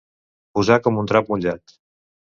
Posar com un drap mullat.